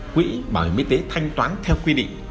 quỹ bảo hiểm y tế thanh toán theo quy định